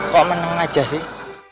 kok menengah aja sih